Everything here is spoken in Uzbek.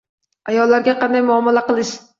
Ayollarga qanday muomala qilish.